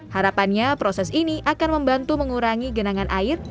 harapannya proses ini akan membantu mengurangi genangan air